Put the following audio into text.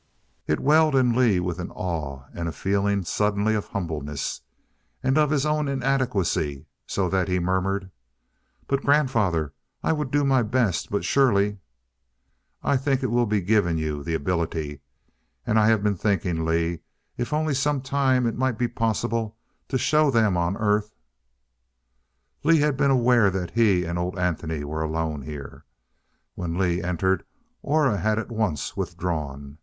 It welled in Lee with an awe, and a feeling suddenly of humbleness and of his own inadequacy, so that he murmured, "But grandfather I would do my best but surely " "I think it will be given you the ability and I've been thinking, Lee, if only some time it might be possible to show them on Earth " Lee had been aware that he and old Anthony were alone here. When Lee entered, Aura had at once withdrawn.